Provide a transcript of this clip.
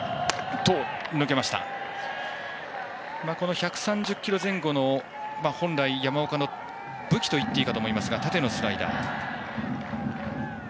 １３０キロ前後の本来、山岡の武器といっていいかと思いますが縦のスライダー。